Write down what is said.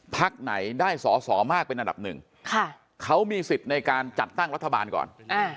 พักไหนได้สอสอมากเป็นอันดับหนึ่งเขามีสิทธิ์ในการจัดตั้งรัฐบาลก่อน